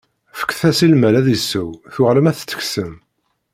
Fket-as i lmal ad isew, tuɣalem ad t-teksem.